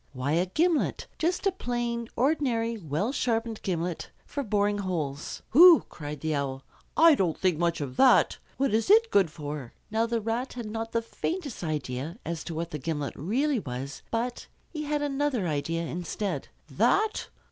Why, a gimlet! Just a plain, ordinary, well sharpened gimlet for boring holes. "Hoo!" cried the Owl. "I don't think much of that. What is it good for?" Now the Rat had not the faintest idea as to what the gimlet really was, but he had another idea instead. "That?